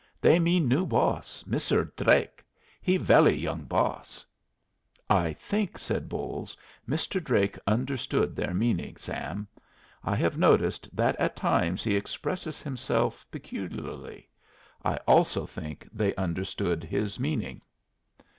They mean new boss, Misser Dlake. He velly young boss." "I think," said Bolles, "Mr. Drake understood their meaning, Sam. I have noticed that at times he expresses himself peculiarly. I also think they understood his meaning."